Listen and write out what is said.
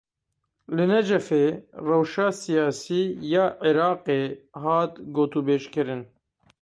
Li Necefê rewşa siyasî ya Iraqê hat gotûbêjkirin.